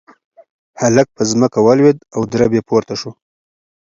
هلک په ځمکه ولوېد او درب یې پورته شو.